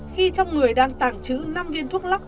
khi trong người đang tàng trữ năm viên thuốc lắc